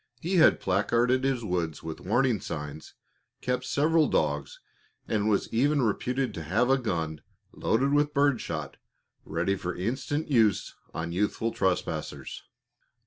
He had placarded his woods with warning signs, kept several dogs, and was even reputed to have a gun loaded with bird shot ready for instant use on youthful trespassers.